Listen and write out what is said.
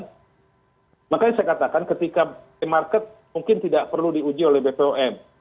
dan makanya saya katakan ketika market mungkin tidak perlu diuji oleh bpom